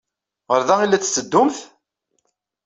Ɣer da ay la d-tetteddumt?